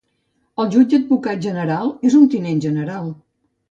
El jutge advocat general és un tinent general.